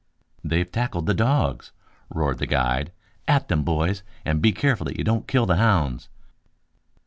"They've tackled the dogs!" roared the guide. "At them, boys, and be careful that you don't kill the hounds."